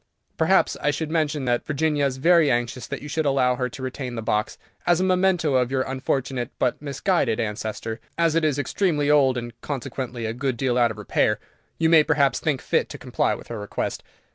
Perhaps I should mention that Virginia is very anxious that you should allow her to retain the box, as a memento of your unfortunate but misguided ancestor. As it is extremely old, and consequently a good deal out of repair, you may perhaps think fit to comply with her request.